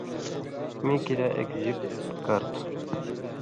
مِیں کِراں اَک جیپ پکار تُھو۔